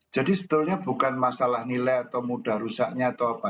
jadi sebetulnya bukan masalah nilai atau mudah rusaknya atau apa